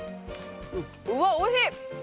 うわおいしい！